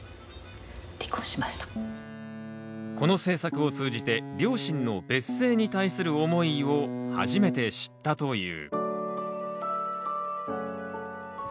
この制作を通じて両親の別姓に対する思いを初めて知ったという。